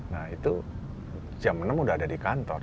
nah itu jam enam udah ada di kantor